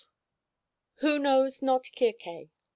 "WHO KNOWS NOT CIRCE?"